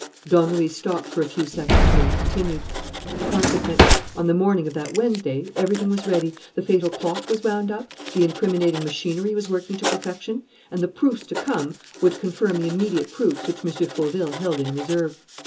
Don Luis stopped for a few seconds and then continued: "Consequently, on the morning of that Wednesday, everything was ready, the fatal clock was wound up, the incriminating machinery was working to perfection, and the proofs to come would confirm the immediate proofs which M. Fauville held in reserve.